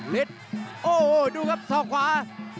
ลิสต์โอ้โหดูครับศอกขวา